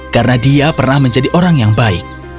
karena dia pernah menjadi orang yang baik